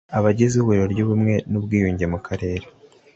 Abagize Ihuriro ry Ubumwe n Ubwiyunge mu Karere